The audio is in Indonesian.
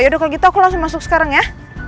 yaudah kalau gitu aku langsung masuk sekarang ya